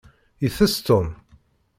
Itess Tom?